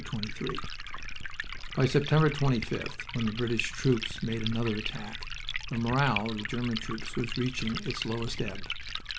XXIII By September 25th, when the British troops made another attack, the morale of the German troops was reaching its lowest ebb.